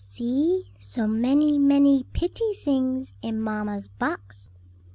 "See, so many, many pitty sings in mamma's box."